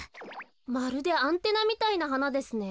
まるでアンテナみたいなはなですね。